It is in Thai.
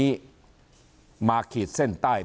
เขาก็ไปร้องเรียน